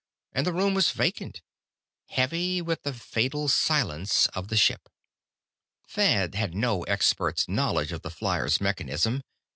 And the room was vacant, heavy with the fatal silence of the ship. Thad had no expert's knowledge of the flier's mechanism.